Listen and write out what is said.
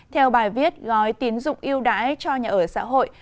theo bài viết gói tín dụng ưu đãi cho nhà ở xã hội